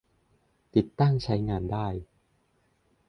ติดตั้งใช้งานได้